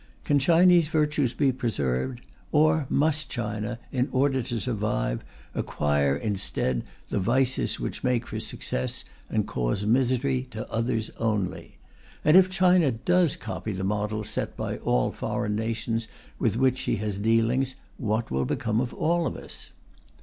Can Chinese virtues be preserved? Or must China, in order to survive, acquire, instead, the vices which make for success and cause misery to others only? And if China does copy the model set by all foreign nations with which she has dealings, what will become of all of us?